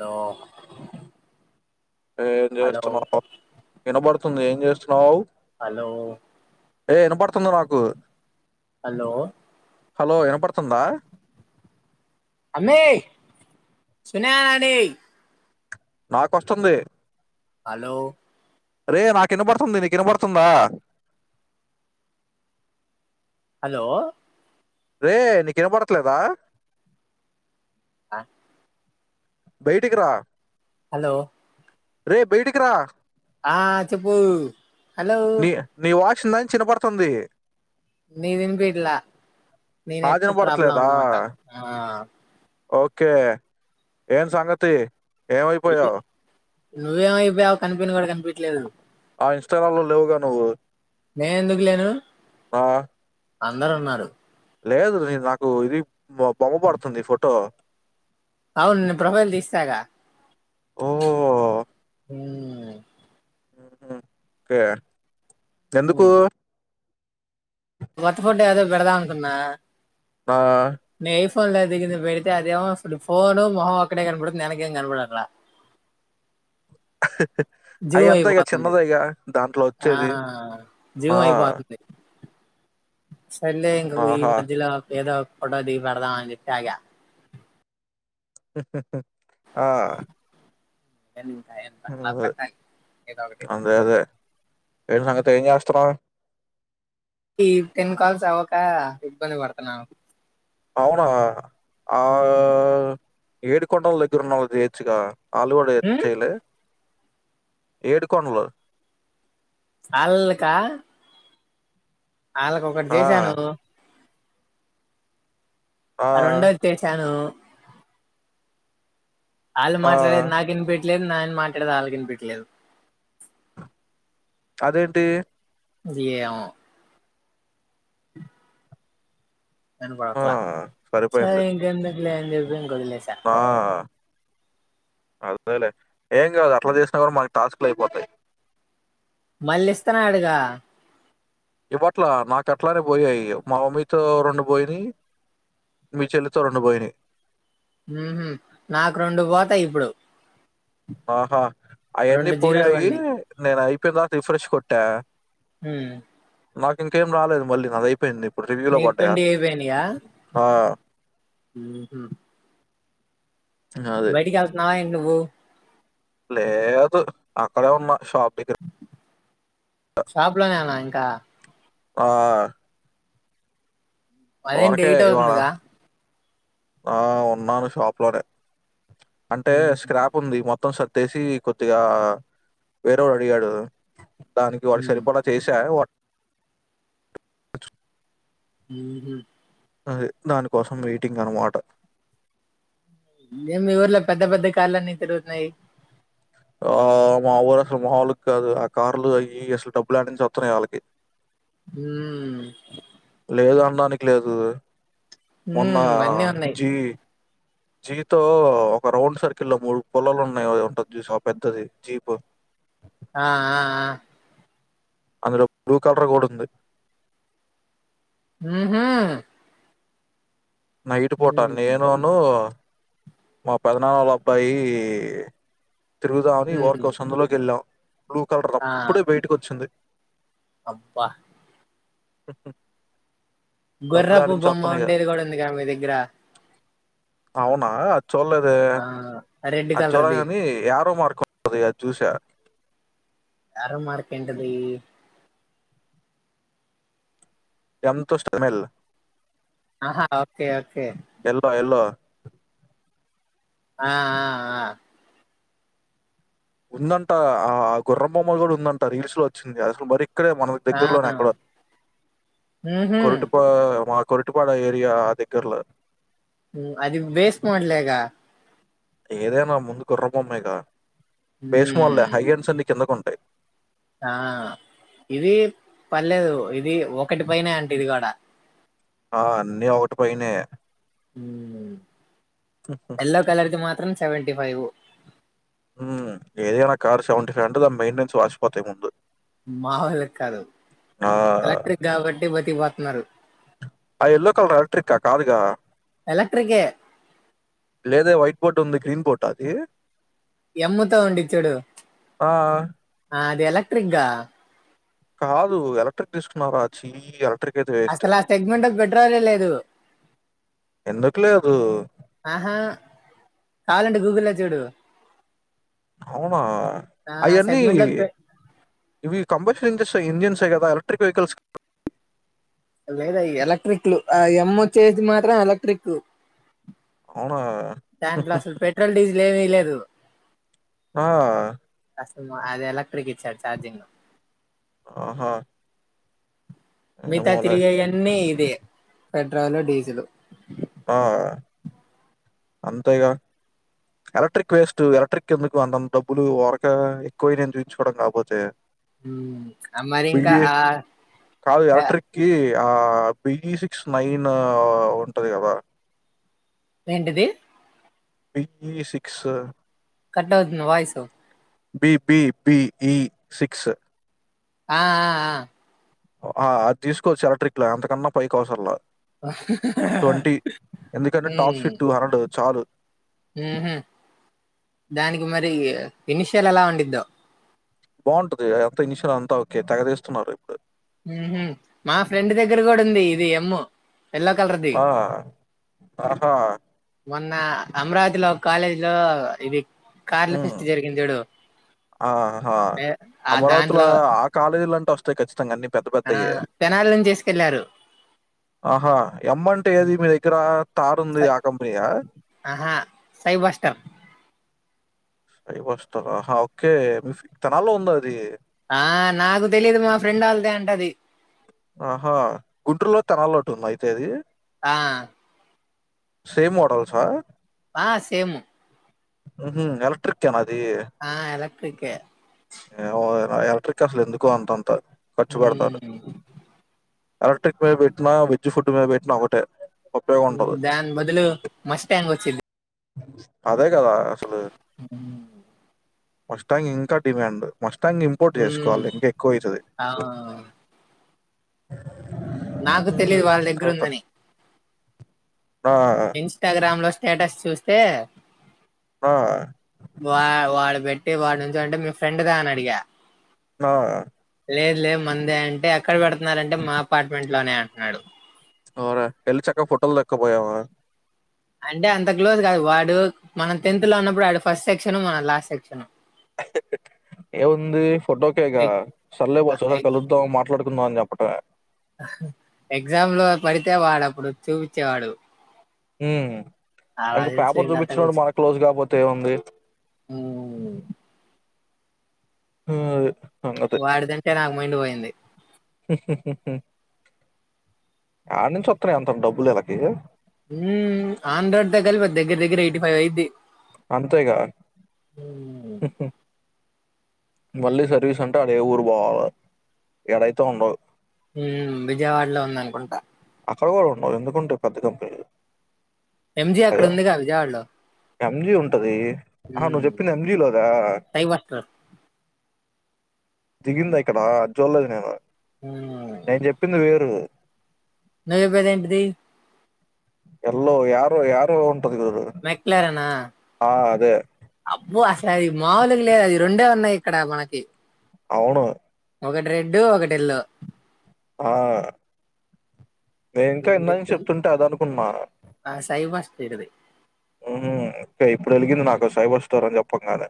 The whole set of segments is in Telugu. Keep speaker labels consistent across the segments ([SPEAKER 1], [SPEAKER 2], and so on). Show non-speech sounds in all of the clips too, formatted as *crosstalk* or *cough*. [SPEAKER 1] నో
[SPEAKER 2] ఏ ఏం జేస్తున్నావు వినపడుతుంది ఏం జేస్తున్నావ్
[SPEAKER 1] హలో
[SPEAKER 2] ఏ ఇనపడుతుంది నాకు
[SPEAKER 1] హలో
[SPEAKER 2] హలో వినపడుతుందా
[SPEAKER 1] అమ్మే సున్నానాది
[SPEAKER 2] నాకు వొస్తుంది
[SPEAKER 1] హలో
[SPEAKER 2] రే నాకు వినబడుతుంది నీకి ఇనబడుతుందా
[SPEAKER 1] హలో
[SPEAKER 2] రే నీకిన బడట్లేదా
[SPEAKER 1] ఆ
[SPEAKER 2] బయటికిరా
[SPEAKER 1] హలో
[SPEAKER 2] రే బయటికిరా
[SPEAKER 1] ఆ చెప్పు హలో
[SPEAKER 2] ని నీవా చ్చింద చిన్నబడతంది
[SPEAKER 1] నీదినిపిట్లా
[SPEAKER 2] నాది
[SPEAKER 1] నీనెట్
[SPEAKER 2] వినపడట్లేదా
[SPEAKER 1] ప్రాబ్లమనమాట ఆ
[SPEAKER 2] ఓకే ఏన్ సంగతి ఏమైపోయావు
[SPEAKER 1] నువ్వేమయిపోయావ్ కనిపిన్ గూడా కనిపి విట్లే
[SPEAKER 2] ఆ ఇన్స్టాగ్రామ్ లో లేవుగా నువ్వు
[SPEAKER 1] నేనెందుకు లేను
[SPEAKER 2] ఆ,
[SPEAKER 1] అందరు ఉన్నారు
[SPEAKER 2] లేదు నాకు ఇది బొమ్మ పడుతుంది ఫోటో
[SPEAKER 1] అవును నిన్న ప్రొఫైల్ దీసేసాగా
[SPEAKER 2] ఓ
[SPEAKER 1] ఉమ్
[SPEAKER 2] కే ఎందుకు
[SPEAKER 1] కొత్త ఫంట ఏదో పెడదాం అనుకున్నా
[SPEAKER 2] ఆ
[SPEAKER 1] నీ లో దిగింది పెడితే అది ఏమొస్తుంది ఫోన్ మొహం ఒక్కటే కనపడుతు యెనకేం కనబడ
[SPEAKER 2] అ అవి ఎంత ఇగచిన్నదేగ దాంట్లో
[SPEAKER 1] ఆ
[SPEAKER 2] వచ్చేది ఆ
[SPEAKER 1] జీవం అయిపోతుంది సర్లే ఇంగ ఈ
[SPEAKER 2] ఆహా!
[SPEAKER 1] మధ్యలో ఏదా బటది పెడదాం అని జెప్పి ఆగా
[SPEAKER 2] ఆ
[SPEAKER 1] ఇంకా
[SPEAKER 2] ఊ
[SPEAKER 1] అట్లా పెట్టాలి ఏదో ఒకటి
[SPEAKER 2] అదే అదే ఏ సంగతి ఏం జెస్తన్నావ్
[SPEAKER 1] ఈ టెన్ కాల్స్ అవ్వక ఇబ్బంది పడుతున్నా
[SPEAKER 2] అవునా ఆ ఏడు కొండల దగ్గర ఉన్నవుజేచుగా ఆల్లుగూడ యె చేయాలె ఏడు కొండలు
[SPEAKER 1] ఆల్ల్ కా ఆళ్ళగొకటి
[SPEAKER 2] ఆ!
[SPEAKER 1] జేసాను
[SPEAKER 2] ఆ!
[SPEAKER 1] అ రెండు వస్తే చాను అళు
[SPEAKER 2] ఆ!
[SPEAKER 1] మాట్లాడేది నాకు వినిపిట ఇట్లేదు నేను మాట్లాడే ఆల్లకి వినిపిట్లేదు
[SPEAKER 2] అదేంటి
[SPEAKER 1] ఏయో నను
[SPEAKER 2] ఆ!
[SPEAKER 1] కోట్లా సరే
[SPEAKER 2] సరిపోయింది.
[SPEAKER 1] ఇకేంది నేను చెప్పింది
[SPEAKER 2] ఆ అదేలే ఏం కాదు అట్లా చేసినా కూడా మాకు టాస్క్లు అయిపోతాయి
[SPEAKER 1] మళ్ళీ ఇస్త నడుగా
[SPEAKER 2] ఇవట్లా నాకు అట్లానే పోయాయి మా మమ్మీతో రెండు పోయిని మీ చెల్లితో రెండు పోయిని
[SPEAKER 1] ఉహుమ్ నాకు రెండు పోతాయి ఇప్పుడు
[SPEAKER 2] ఆహా అయన్నీ
[SPEAKER 1] రెండు జీరోలు
[SPEAKER 2] పోయాయి
[SPEAKER 1] పడినాయి
[SPEAKER 2] నేను అయి ఇక్కడ దాకా రిఫ్రెష్ కొట్టా
[SPEAKER 1] హమ్
[SPEAKER 2] నాకు ఇంకేం రాలేదు మళ్ళీ నాది అయిపోయింది
[SPEAKER 1] నీయి ట్వింటి అయిపోయినియా
[SPEAKER 2] ఆ! అది.
[SPEAKER 1] బయటికి వెళ్తున్నావా ఏం నువ్వు
[SPEAKER 2] లేదు అక్కడే ఉన్నా షాప్ దగ్గర.
[SPEAKER 1] షాపులో నేనా ఇంకా
[SPEAKER 2] ఆ
[SPEAKER 1] అదేంటి
[SPEAKER 2] ఊరకే
[SPEAKER 1] ఎయిట్
[SPEAKER 2] ఇవాళ
[SPEAKER 1] అవుతుందిగా
[SPEAKER 2] ఆ ఉన్నాను షాప్ లోనే అంటే
[SPEAKER 1] హుహు.
[SPEAKER 2] స్క్రాప్ ఉంది మొత్తం స తెసి కొదిగా వేరే వాడు అడిగాడు దానికి వాడికి
[SPEAKER 1] హ్మ్.
[SPEAKER 2] సరిపడా చేసా వా
[SPEAKER 1] ఉహుమ్
[SPEAKER 2] అదే దానికోసం వెయిటింగ్ అన్నమాట
[SPEAKER 1] మేమి ఊర్లో పెద్ద పెద్ద కార్ లన్నీ తిరుగుతున్నాయి
[SPEAKER 2] ఆ మా ఊరు అసలు మాములుగా కాదు ఆ కార్లు అయి అసలు డబ్బులు యడ నుంచి వస్తున్నాయి ఆళ్ళకి
[SPEAKER 1] ఉమ్
[SPEAKER 2] లేదు అనడానికి లేదు మొన్న
[SPEAKER 1] హ్మ్. అన్నీ ఉన్నాయి.
[SPEAKER 2] జీ జీతో ఒక రౌండ్ సర్కిల్ లో మూడు పుల్లలు ఉన్నాయి ఉంటది చుశావా పెద్దది జీపు
[SPEAKER 1] ఆ ఆ ఆ
[SPEAKER 2] అందులో బ్లూ కలర్ కూడా ఉంది
[SPEAKER 1] ఉహూ
[SPEAKER 2] నైట్ పూట నేనును మా పెద్దనాన్న వాళ్ళ అబ్బాయి తిరుగుదామని
[SPEAKER 1] హ్మ్.
[SPEAKER 2] ఊరికే సందులోకి వెళ్ళాం బ్లూ కలర్ ది ఆది
[SPEAKER 1] ఆ!
[SPEAKER 2] అప్పుడే బయటికి వచ్చింది
[SPEAKER 1] అబ్బా! గొర్రపు
[SPEAKER 2] డబ్బులాడ్నుంచి
[SPEAKER 1] బొమ్మ
[SPEAKER 2] ఒత్తన్నయ్యో.
[SPEAKER 1] ఉండేది కూడా ఉంది కదా మీ దగ్గర
[SPEAKER 2] అవునా చూడలేదే
[SPEAKER 1] ఆ! రెడ్
[SPEAKER 2] అది చూడలే
[SPEAKER 1] కలర్‌ది.
[SPEAKER 2] గాని యారో మార్క్ ఉంటది అది చూసా
[SPEAKER 1] యారో మార్క్ ఏంటది
[SPEAKER 2] ఎమ్ంతోస్టమెల్
[SPEAKER 1] ఆహా ఓకే ఓకే
[SPEAKER 2] యెల్లో యెల్లో
[SPEAKER 1] ఆ ఆ ఆ
[SPEAKER 2] ఉందంట ఆ ఆ గుర్రం బొమ్మలు కూడా ఉందంట రీల్స్ లో వచ్చింది అసలు మరి ఇక్కడే మన
[SPEAKER 1] ఆ
[SPEAKER 2] దగ్గరలోనే ఎక్కడో
[SPEAKER 1] ఉహు
[SPEAKER 2] కొరటపా మా కొరటుపాడు ఏరియా దగ్గర్లో
[SPEAKER 1] అది వేస్ మడలేగా
[SPEAKER 2] ఏదేమో ముందు గుర్రం బొమ్మెగ భేస్మల్
[SPEAKER 1] ఉమ్
[SPEAKER 2] హైగడ్స్ అండి కిందకు ఉంట
[SPEAKER 1] ఆ ఇది పర్లేదు ఇది ఒకటి పైనే అంట ఇది కూడా
[SPEAKER 2] ఆ అన్నీ ఒకటి పయినే
[SPEAKER 1] ఎల్లో కలర్ ది మాత్రమే మ్ సెవెంటిఫైవ్
[SPEAKER 2] ఉ ఏదైనా కార్ సెవెంట ఫైవ్ అంటే దాని మెయింటెనన్స్ వాసిపోత *unintelligible*
[SPEAKER 1] మా వాళ్ళ కాదు
[SPEAKER 2] ఆ!
[SPEAKER 1] ఎలక్ట్రిక్ కాబట్టి బతికి న్నారు
[SPEAKER 2] ఆ ఎల్లో కలర్ ఎలక్ట్రిక్ ఆ కాదుగా
[SPEAKER 1] ఎలక్ట్రికే
[SPEAKER 2] లేదే వైట్ బోర్డు తుంది గ్రీన్ బోర్డ్ ఆ ఆది
[SPEAKER 1] ఎమ్ తో ఉండి చూడు
[SPEAKER 2] ఆ!
[SPEAKER 1] ఆ ఎలక్ట్రిక్ ఆ
[SPEAKER 2] కాదు ఎలక్ట్రిక్ తీసుకున్నారా చీ ఎలక్ట్రి
[SPEAKER 1] అసలు ఆ సెగ్మెంట్ లో పెట్రోల్ ఏ లేదు
[SPEAKER 2] ఎందుకులే అదూ?
[SPEAKER 1] ఆహా కావాలంటే గూగుల్ లో చూడు
[SPEAKER 2] అవునా
[SPEAKER 1] ఆ
[SPEAKER 2] అవన్నీ
[SPEAKER 1] సెగ్మెంట్ లో
[SPEAKER 2] ఇవి కంబషన్ ఇంజన్స్ ఏ కదా ఎలెక్ట్రక్ వెహికల్స్
[SPEAKER 1] లేదా ఎలక్ట్రిక్ లు ఆ ఎం చేతి మాత్ర ఎలక్ట్రిక్.
[SPEAKER 2] అవునా?
[SPEAKER 1] టెన్ క్లాసలు పెట్రోల్ డీజిల్ ఏమీ లేవు. *unintelligible*
[SPEAKER 2] ఆ
[SPEAKER 1] అది ఎలక్ట్రిక్ ఇచ్చ చార్జింగ్.
[SPEAKER 2] ఆహా!
[SPEAKER 1] మిగతా
[SPEAKER 2] ఏమోలే.
[SPEAKER 1] తిరిగేయన్ని ఇదే. Petrol, diesel.
[SPEAKER 2] ఆ అంతేగా ఎలక్ట్రిక్ వేస్ట్ ఎలక్ట్రిక్ ఎందుకు అంతంత డబ్బులు ఊరక ఎక్కువై నను చూ యించుకోవడం కాకపోతే.
[SPEAKER 1] మరి ఇంకా ఆ
[SPEAKER 2] ఆ బిఈ సిక్స్ నైన్ ఉంటది కదా!
[SPEAKER 1] ఏంటిది?
[SPEAKER 2] బిఈ సిక్స్
[SPEAKER 1] కట్టవుతుంది వాయిస్
[SPEAKER 2] బిబిబిఈ సిక్స్
[SPEAKER 1] ఆ ఆ ఆ
[SPEAKER 2] ఆ అది తీసుకోవచ్చు ఎలక్ట్రిక్ లో అంతకన్నా పైకి అవసర లే. ట్వంటీ ఎందుకంటే top
[SPEAKER 1] um
[SPEAKER 2] shit two hundred చాలు
[SPEAKER 1] ఉహు దానికి మరి ఇనిషియల్ ఎలా ఉండిద్దో!
[SPEAKER 2] బాగుంటది, అంత ఇన్షియల్ అంతా ఓకే. తెగదేస్తున్నారు ఇప్పుడు.
[SPEAKER 1] హు హూ! మా ఫ్రెండ్ దగ్గర కూడా ఉంది ఇది ఎమ్.
[SPEAKER 2] ఆ ఆహా!
[SPEAKER 1] మొన్న అమరావతిలో కాలేజీ లో ఇవీ
[SPEAKER 2] హ్మ్! ఆహా!
[SPEAKER 1] ఆ
[SPEAKER 2] అమరావతిలో
[SPEAKER 1] దాంట్లో
[SPEAKER 2] ఆ కాలేజీ వస్తుం ఖచ్చితంగా అన్నీ పెద
[SPEAKER 1] ఆ
[SPEAKER 2] పెద్దయే
[SPEAKER 1] తెనాలి నుంచి తీసుకెళ్లారు
[SPEAKER 2] ఆహా! ఎమ్ అంటే ఏది మీ దగ్గర కారు ఉంది ఆ కంపెనీయా?
[SPEAKER 1] ఆహా సైబస్టర్
[SPEAKER 2] ఫై *unintelligible* బస్టార ఓకే మీ తెనాల్లో ఉంది అది
[SPEAKER 1] ఆ నాకు తెలీదు మా ఫ్రెండ్ వాళ్ళదే అంటది.
[SPEAKER 2] ఆహా! గుంటూరులో, తెనాల్లో ఒకటి ఉందా అయితే అది.
[SPEAKER 1] ఆ
[SPEAKER 2] సేమ్ మోడల్సా?
[SPEAKER 1] ఆ సేము.
[SPEAKER 2] ఉహూ! ఎలక్ట్రికే నా అది.
[SPEAKER 1] ఆ ఎలక్ట్రికే
[SPEAKER 2] ఏ ఎలక్ట్రిక్ అసలు ఎందుకు అంతంత? ఖర్చు పెడతారు. ఎలక్ట్రిక్ మీద పెట్టినా వెజ్ ఫుడ్ మీద పెట్టినా ఒకటే. ఉపయోగం ఉండదు.
[SPEAKER 1] దాన్ బదులు మస్ట్ టాంగ్ వచ్చింది.
[SPEAKER 2] అదే కదా? అసలు.
[SPEAKER 1] *inaudible*
[SPEAKER 2] ఫస్ట్ టైం ఇంకా డిమాండ్ మష్టంగా ఇంపోర్ట్
[SPEAKER 1] ఉమ్
[SPEAKER 2] చేసుకోవాలి ఇంకా ఎక్కువ ఐతది
[SPEAKER 1] ఆ నాకు తెలియదు వాళ్ళ
[SPEAKER 2] కథ.
[SPEAKER 1] దగ్గరుందని
[SPEAKER 2] ఆ
[SPEAKER 1] ఇన్స్టాగ్రామ్ లో స్టేటస్ చూస్తే
[SPEAKER 2] ఆ
[SPEAKER 1] వా వాడు బెట్టే అ వాడి నుంచి అంటే మీ ఫ్రెండ్దా అని అడిగా
[SPEAKER 2] ఆ
[SPEAKER 1] లేదు లేదు మందే అంటే ఎక్కడ పెడుతున్నారంటే మా అపార్ట్మెంట్ లోనే అంటున్నాడు
[SPEAKER 2] అరా పెళ్ళి చక్క ఫోటోలు దక్కపోయావా
[SPEAKER 1] అంటే అంత క్లోజ్ కాదు వాడు మనం టెన్త్ లో ఉన్నప్పుడు వాడు ఫస్ట్ సెక్షన్ మన లాస్ట్ సెక్షన్
[SPEAKER 2] ఏముంది ఫోటోకేగా సరె లే ఒ సారి కలుద్దాం మాట్లాడుకుందాం అని చెప్ప ఆ
[SPEAKER 1] ఎగ్జామ్ లో పడితే వాడప్పుడు చూచేవాడు
[SPEAKER 2] ఊ ఇంకా పేపర్
[SPEAKER 1] వీళ్ళంతా
[SPEAKER 2] చూపించినప్పుడు
[SPEAKER 1] కూర్చు
[SPEAKER 2] మన క్లోజ్ కాపోతే ఏ ఉంది
[SPEAKER 1] ఉమ్,
[SPEAKER 2] ఊ అదే
[SPEAKER 1] వాడిదంటే నాకు మైండి పోయింది
[SPEAKER 2] ఆడ నుంచి వత్తన్నై అంతంత డబ్బులు ఈల్లకి
[SPEAKER 1] హ ఆంధ్రోడ్ దగకా అల్వత్ దగ్గర దగ్గర ఎయిటి ఫైవ్ ఐద్ది
[SPEAKER 2] అంతేగా మళ్ళీ సర్వీస్ అంటే అడే ఊరు బోవాల ఈడైతే ఉండదు
[SPEAKER 1] ఊ విజయవాడలో ఉంద అనుకుంటా
[SPEAKER 2] అక్కడ కూడా ఉండవు ఎందుకుంటే పెద్ద కంపెనీలు
[SPEAKER 1] ఎంజీ
[SPEAKER 2] ద
[SPEAKER 1] అక్కడ ఉందిగా విజయవాడలో
[SPEAKER 2] ఎంజి ఉంటది ఆహా నువ్వు చెప్పింది ఎంజిలోదా
[SPEAKER 1] సైబర్ స్టోర్
[SPEAKER 2] జిగిందా ఇక్కడ చూడలేడు నేను నేను చెప్పింది వేరు
[SPEAKER 1] నువ్వు చెప్పేది ఏంటిది
[SPEAKER 2] ఎల్లో యారో యారో ఉంటది చూడు
[SPEAKER 1] మెక్లారెనా
[SPEAKER 2] ఆ! అదే.
[SPEAKER 1] అబ్బో అసలు అది మాముూలుగా లేదు అది రెండే ఉన్నాయి ఇక్కడ మనకి
[SPEAKER 2] అవును
[SPEAKER 1] ఒకటి రెడ్ ఒకటి ఎల్లో
[SPEAKER 2] ఆ మే ఇంకా
[SPEAKER 1] నేను
[SPEAKER 2] ఇందాక నుంచి
[SPEAKER 1] చెప్తాను
[SPEAKER 2] చెప్తుంటే అద అనుకున్నా
[SPEAKER 1] చేద *unintelligible*
[SPEAKER 2] ఓకే ఇప్పుడు వెలిగింది నాకు సైబర్ స్టోర్ అని చెప్పంగానే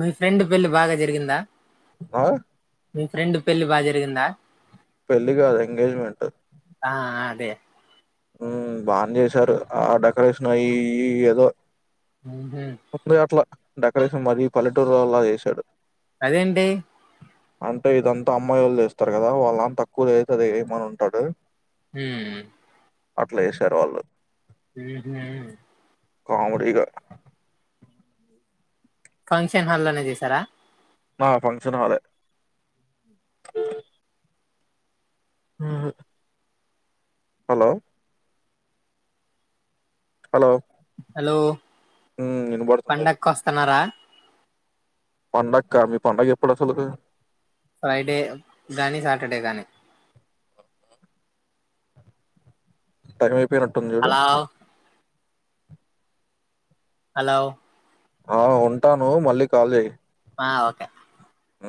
[SPEAKER 1] మీ ఫ్రెండ్ పెళ్లి బాగా జరిగిందా
[SPEAKER 2] ఆ!
[SPEAKER 1] మీ ఫ్రెండ్ పెళ్లి బాగా జరిగిందా
[SPEAKER 2] పెళ్లి కాదు ఎంగేజ్మెంట్
[SPEAKER 1] ఆ అదే
[SPEAKER 2] ఊ బానే చేసారు. ఆ డెకరేషన్ అయీ ఇయీ ఏదో.
[SPEAKER 1] మ్హూ.
[SPEAKER 2] ఉత్తినే అట్లా డెకరేషన్ మరీ పల్లెటూరోల్లా చేశాడు.
[SPEAKER 1] అదేంటీ
[SPEAKER 2] అంటే ఇదంతా అమ్మాయి వాళ్ళు చేస్తారు గదా. వాళ్ళనాన్న తక్కువ ఏదయితే అది ఏయమని ఉంటాడు.
[SPEAKER 1] హ్మూ
[SPEAKER 2] అట్లా ఏశారు వాళ్ళు.
[SPEAKER 1] మ్హూ.
[SPEAKER 2] కామిడీగా.
[SPEAKER 1] ఫంక్షన్ హాల్లోనే చేసారా.
[SPEAKER 2] ఆ ఫంక్షన్ హాలే. ఊవు హలో హలో
[SPEAKER 1] హలో
[SPEAKER 2] హ్మ్. వినబడుతుంది.
[SPEAKER 1] పండక్కొస్తున్నారా
[SPEAKER 2] పండక్కా మీ పండగ ఎప్పుడు అసలు ఇదీ.
[SPEAKER 1] ఫ్రైడే గాని సాటర్డే గాని.
[SPEAKER 2] టైం అయిప్ పోయినట్టుంది చూడూ
[SPEAKER 1] హలో హలో
[SPEAKER 2] ఆ ఉంటానూ మళ్లీ కాల్ చేయి.
[SPEAKER 1] ఆ ఓకే
[SPEAKER 2] ఊ